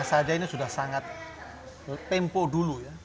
penyajiannya sudah sangat tempo dulu